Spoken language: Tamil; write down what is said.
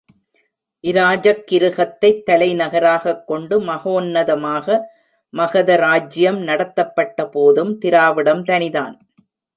இராஜக்கிருகத்தைத் தலைநகராகக் கொண்டு மகோன்னத மாக மகதராஜ்யம் நடத்தப்பட்ட போதும், திராவிடம் தனிதான்.